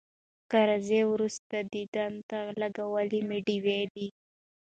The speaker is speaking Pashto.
که راځې وروستی دیدن دی لګولي مي ډېوې دي